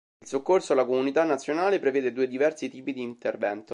Il "soccorso alla comunità nazionale" prevede due diversi tipi di intervento.